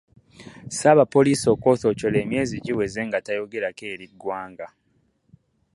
Ssaabapoliisi Okoth Ochola emyezi giweze nga tayogerako eri ggwanga.